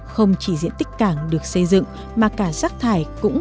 không chỉ diện tích cảng được xây dựng mà cả rác thải cũng